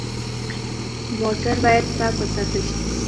موټر باید پاک وساتل شي.